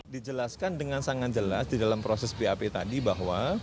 dijelaskan dengan sangat jelas di dalam proses bap tadi bahwa